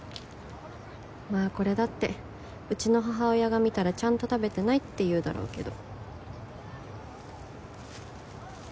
まあこれだってうちの母親が見たらちゃんと食べてないって言うだろうけど。